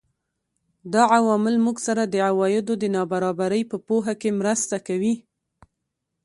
دا عوامل موږ سره د عوایدو د نابرابرۍ په پوهه کې مرسته کوي